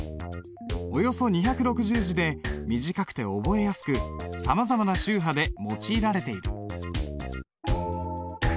およそ２６０字で短くて覚えやすくさまざまな宗派で用いられている。